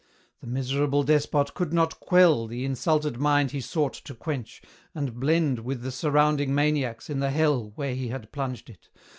The miserable despot could not quell The insulted mind he sought to quench, and blend With the surrounding maniacs, in the hell Where he had plunged it.